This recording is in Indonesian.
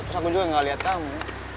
terus aku juga gak lihat kamu